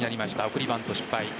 送りバント失敗。